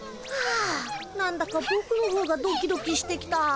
あなんだかぼくのほうがドキドキしてきた。